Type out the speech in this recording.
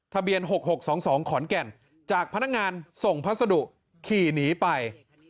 ทะเบียน๖๖๒๒ขอนแก่นจากพนักงานส่งพัสดุขี่หนีไป